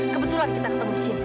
kebetulan kita ketemu sini